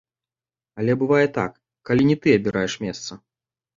Але бывае так, калі не ты абіраеш месца.